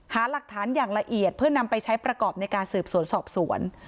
หาหลักฐานอย่างละเอียดเพื่อนำไปใช้ประกอบในการสืบสวนสอบสวน